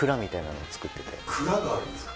蔵があるんですか？